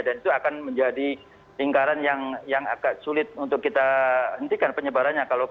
dan itu akan menjadi lingkaran yang agak sulit untuk kita hentikan penyebarannya